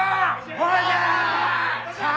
ほうじゃ！